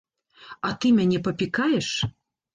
А ты мяне папікаеш?